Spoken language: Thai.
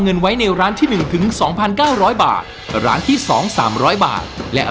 พร้อมไหมครับพร้อมครับครับพร้อมแล้ว